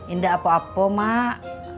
indah apa apa mak